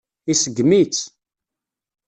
Iseggem-itt.